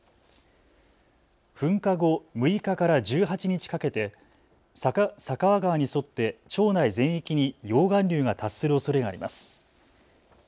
噴火後６日から１８日かけて酒匂川に沿って町内全域に溶岩流が達するおそれがあります。